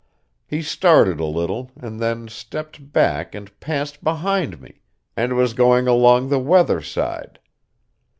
He started a little, and then stepped back and passed behind me, and was going along the weather side.